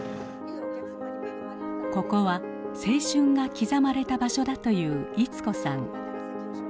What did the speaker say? ここは青春が刻まれた場所だという溢子さん。